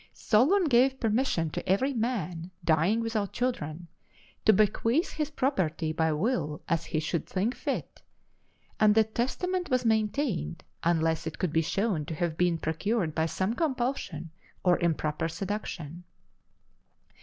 Solon gave permission to every man dying without children to bequeath his property by will as he should think fit; and the testament was maintained unless it could be shown to have been procured by some compulsion or improper seduction.